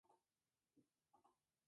Realizó series en China y Japón.